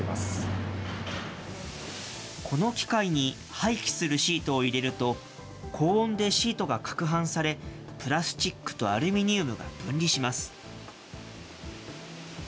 廃棄するシートを入れると、高温でシートがかくはんされ、プラスチックとアルミニウムが分離します。